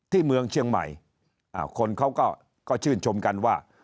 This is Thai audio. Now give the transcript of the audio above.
เมืองเชียงใหม่คนเขาก็ชื่นชมกันว่า